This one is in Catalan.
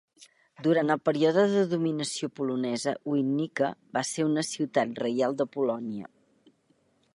Durant el període de la dominació polonesa, Winnica va ser una ciutat reial de Polònia.